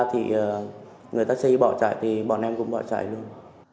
thì người taxi bỏ chạy thì bọn em cũng bỏ chạy luôn